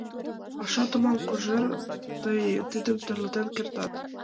— Паша томам, Кожер, тый тидым тӧрлатен кертат.